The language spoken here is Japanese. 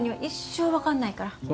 一生分かんないから